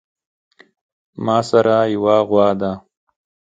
ماسره يوه غوا ده